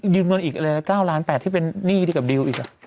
ยืมเงินอีกอะไร๙๘๐๐๐ที่เป็นหนี้กับดิวอีกอ่ะ